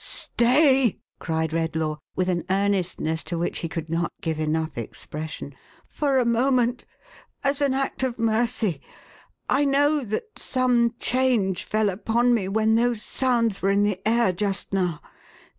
" Stay," cried Redlaw with an earnestness to which he could not give enough expression. " For a moment ! As an act of mercy ! I know that some change fell upon me, when those sounds were in the air just now.